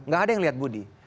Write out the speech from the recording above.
gak ada yang lihat budi